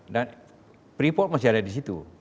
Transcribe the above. dan freeport masih ada di situ